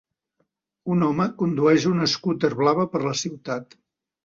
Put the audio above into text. Un home condueix una escúter blava per la ciutat